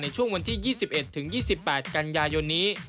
ในช่วงวันที่๒๑๒๘กันยายนนี้